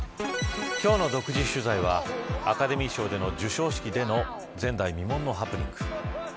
今日の独自取材はアカデミー賞での授賞式での前代未聞のハプニング。